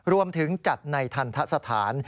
รวมถึงจัดในทันทะสถาน